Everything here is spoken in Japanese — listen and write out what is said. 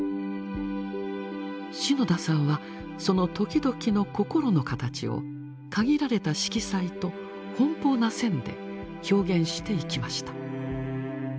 篠田さんはその時々の「こころの形」を限られた色彩と奔放な線で表現していきました。